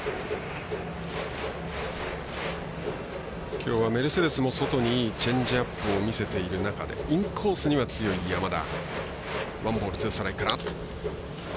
きょうはメルセデスも外にいいチェンジアップを見せている中でインコースには強い、山田。